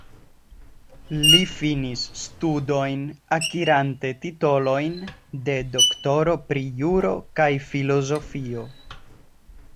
Li finis studojn akirante titolojn de doktoro pri juro kaj filozofio.